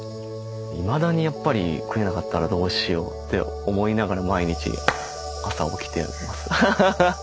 いまだにやっぱり食えなかったらどうしようって思いながら毎日朝起きてますハハハ。